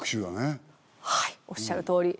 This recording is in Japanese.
はいおっしゃる通り。